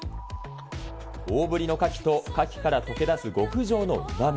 大ぶりのカキと、カキから溶け出す極上のうまみ。